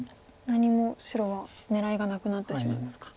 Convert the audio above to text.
何も白は狙いがなくなってしまいますか。